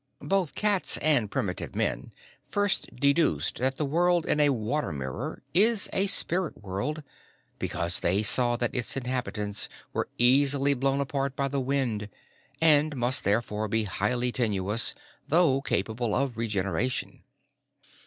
(Both cats and primitive men first deduced that the world in a water mirror is a spirit world because they saw that its inhabitants were easily blown apart by the wind and must therefore be highly tenuous, though capable of regeneration.)